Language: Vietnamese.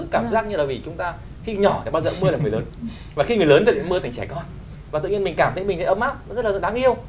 cái bác giỡn mưa là người lớn và khi người lớn thì mưa thành trẻ con và tự nhiên mình cảm thấy mình ấm áp rất là đáng yêu